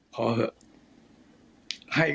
พอเถอะ